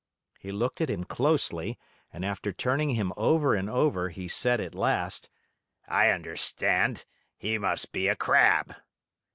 He looked at him closely and after turning him over and over, he said at last: "I understand. He must be a crab!"